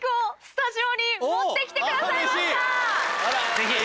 ぜひ。